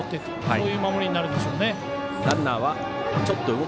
そういう守りになるでしょうね。